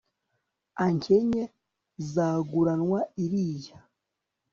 ank'enye zaguranwa iriya